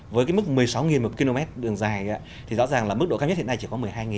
với mức một mươi sáu một km đường dài thì rõ ràng là mức độ cao nhất hiện nay chỉ có một mươi hai